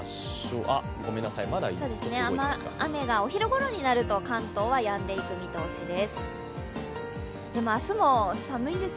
雨がお昼ごろになると関東はやんでいく見通しです。